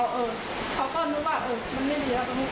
มาทางทางฝั่งที่หนูนั่งมากดอีกทีแล้วเขาก็เอ็นบอกลงจะให้หนูนอน